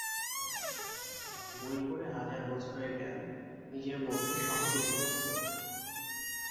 বই পড়ে হাজার বছরে জ্ঞান নিজের মধ্যে সহজে ঢোকানো যায়।